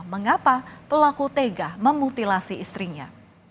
mengapa pelaku tega memutilasi istrinya